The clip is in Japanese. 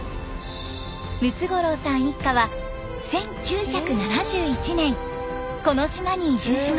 ムツゴロウさん一家は１９７１年この島に移住しました。